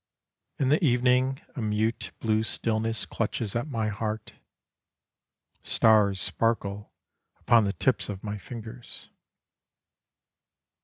In the evening a mute blue stillness Clutches at my heart. Stars sparkle upon the tips of my fingers.